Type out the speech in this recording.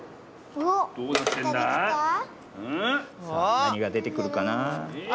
なにがでてくるかなあ？